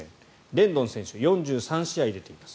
レンドン選手４３試合出ています。